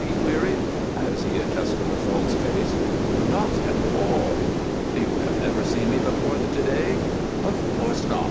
he queried, as he adjusted the false face. "Not at all." "You have never seen me before to day?" "Of course not!